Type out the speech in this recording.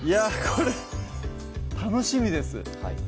これ楽しみですはい